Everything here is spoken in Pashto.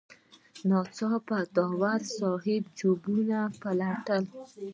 ناڅاپه داوري صاحب جیبونه پلټل.